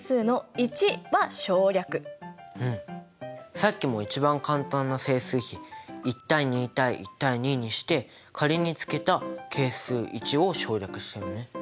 さっきも一番簡単な整数比１：２：１：２にして仮につけた係数１を省略したよね。